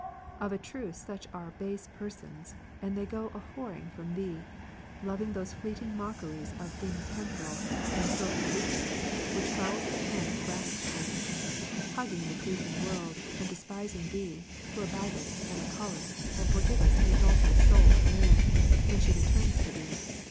Of a truth such are base persons, and they go a whoring from Thee, loving these fleeting mockeries of things temporal, and filthy lucre, which fouls the hand that grasps it ; hugging the fleeting world, and despising Thee, who abidest, and recallest, and forgivest the adulteress soul of man, when she returns to Thee.